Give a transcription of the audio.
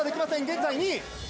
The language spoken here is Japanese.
現在２位。